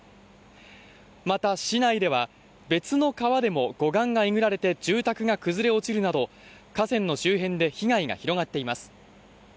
また、市内では別の川でも護岸がえぐられて住宅が崩れ落ちるなど、河川の周辺で被害が広がっています。